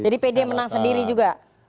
jadi pdi menang sendiri juga